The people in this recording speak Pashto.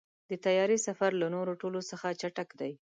د طیارې سفر له نورو ټولو څخه چټک دی.